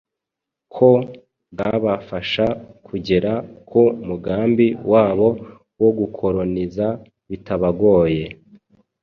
ko bwabafasha kugera ku mugambi wabo wo gukoloniza bitabagoye.